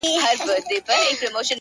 o څو؛ د ژوند په دې زوال کي کړې بدل،